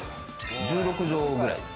１６帖くらいです。